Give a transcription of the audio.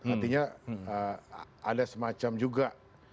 artinya ada semacam juga